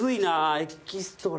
エキストラ。